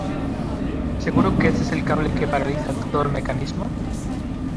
¿ seguro que este es el cable que paraliza todo el mecanismo?